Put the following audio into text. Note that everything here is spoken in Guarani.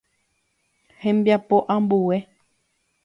Hembiapo ambue.